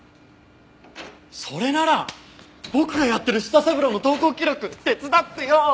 それなら僕がやってる舌三郎の投稿記録手伝ってよ！